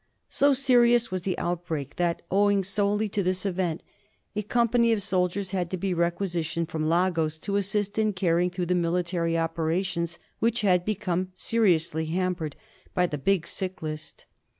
So serious was the outbreak that, owing solely to this event, a company of soldiers had to be requisitioned from Lagos to assist in carrying through the military opera tions which had becpme seriously hampered by the big sick list.